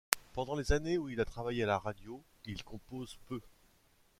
Pendant les années où il a travaillé à la radio, il compose peu.